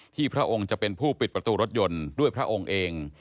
พระองค์จะเป็นผู้ปิดประตูรถยนต์ด้วยพระองค์เอง